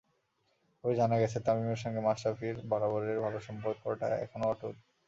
তবে জানা গেছে, তামিমের সঙ্গে মাশরাফির বরাবরের ভালো সম্পর্কটা এখনো অটুট।